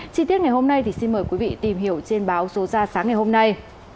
chi tiết ngày hôm nay thì xin mời quý vị tìm hiểu trên báo số ra sáng ngày hôm nay